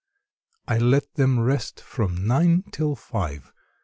I let them rest from nine till five.